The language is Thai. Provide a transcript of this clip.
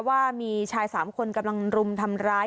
ว่ามีชาย๓คนกำลังรุมทำร้าย